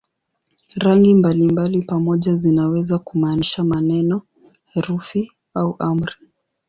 Rangi mbalimbali pamoja zinaweza kumaanisha maneno, herufi au amri.